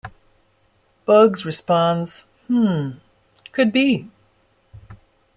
Bugs responds Hmm... Could be!